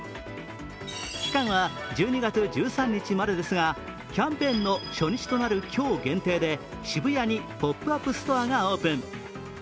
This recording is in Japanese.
期間は１２月１３日までですがキャンペーンの初日となる今日限定で渋谷にポップアップストアがオープン。